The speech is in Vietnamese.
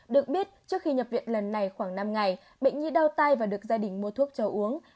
được biết trước khi nhập viện lần này khoảng năm ngày bệnh nhi đau tai và được gia đình mua thuốc cho uống